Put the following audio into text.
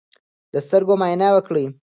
د سترګو معاینه وکړئ.